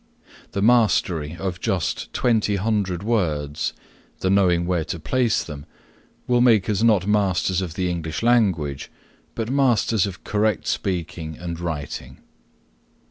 The mastery of just twenty hundred words, the knowing where to place them, will make us not masters of the English language, but masters of correct speaking and writing.